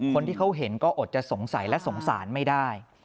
คนที่เขาเห็นก็อดจะสงสัยและสงสารไม่ได้